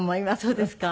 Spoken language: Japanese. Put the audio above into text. そうですか？